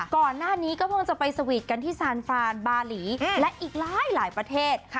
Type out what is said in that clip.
ก่อนหน้านี้ก็เพิ่งจะไปสวีทกันที่ซานฟานบาหลีและอีกหลายประเทศ